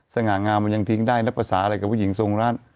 สง่างามมันยังทิ้งได้แล้วประสาทอะไรกับผู้หญิงทรงร่าน